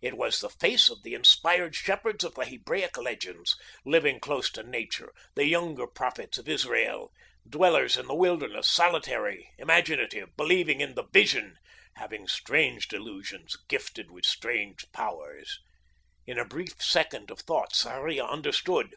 It was the face of the inspired shepherds of the Hebraic legends, living close to nature, the younger prophets of Israel, dwellers in the wilderness, solitary, imaginative, believing in the Vision, having strange delusions, gifted with strange powers. In a brief second of thought, Sarria understood.